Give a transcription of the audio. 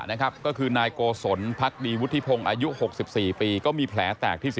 อย่าอย่าอย่าอย่าอย่าอย่าอย่าอย่าอย่าอย่าอย่าอย่าอย่าอย่า